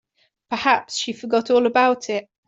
Perhaps she forgot all about it.